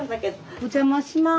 お邪魔します。